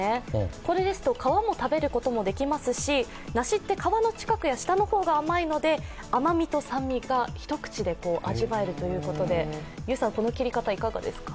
これですと皮も食べることができますし梨って皮の近くや下の方が甘いので甘みも酸味が一口で味わえるということで、ユウさんこの切り方、いかがですか？